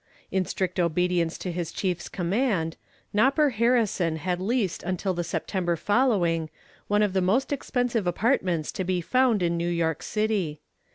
In strict obedience to his chief's command, "Nopper" Harrison had leased until the September following one of the most expensive apartments to be found in New York City.